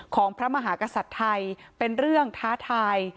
พระมหากษัตริย์ไทยเป็นเรื่องท้าทาย